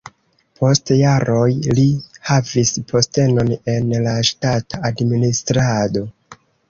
Post jaroj li havis postenon en la ŝtata administrado.